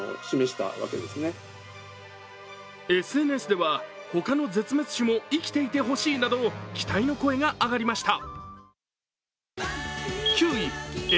ＳＮＳでは、他の絶滅種も生きていてほしいなど期待の声が上がりました。